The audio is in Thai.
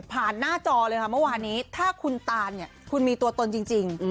หน้าจอเลยค่ะเมื่อวานนี้ถ้าคุณตานเนี่ยคุณมีตัวตนจริง